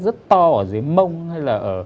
rất to ở dưới mông hay là